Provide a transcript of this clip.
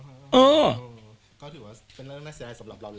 ก็ถือว่าเป็นเรื่องน่าสนใจสำหรับเราแหละ